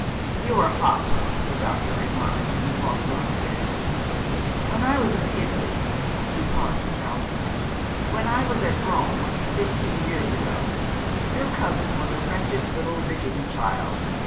"You are hot," the doctor remarked, and walked on again. "When I was in Italy " he paused to calculate, "when I was at Rome, fifteen years ago, your cousin was a wretched little rickety child.